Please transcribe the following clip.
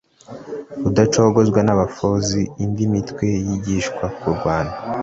Rudacogozwa nabafozi indi mitwe yigishwa kurwana